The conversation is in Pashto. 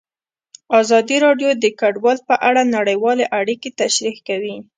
ازادي راډیو د کډوال په اړه نړیوالې اړیکې تشریح کړي.